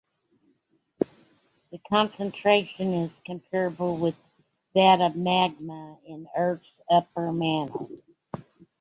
This concentration is comparable with that of magma in Earth's upper mantle.